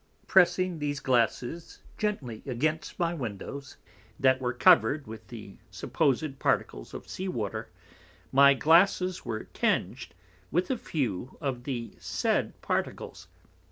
Pressing these Glasses gently against my Windows, that were covered with the suppos'd Particles of Sea water, my Glasses were tinged with a few of the said Particles.